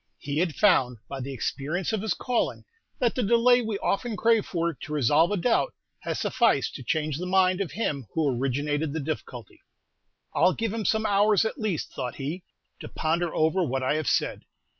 He had found, by the experience of his calling, that the delay we often crave for, to resolve a doubt, has sufficed to change the mind of him who originated the difficulty. "I'll give him some hours, at least," thought he, "to ponder over what I have said.